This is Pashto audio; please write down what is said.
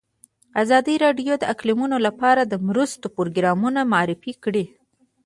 ازادي راډیو د اقلیتونه لپاره د مرستو پروګرامونه معرفي کړي.